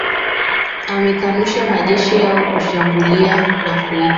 amekanusha majeshi yao kushambulia na kuita